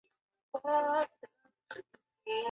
阿尔夏克下布里人口变化图示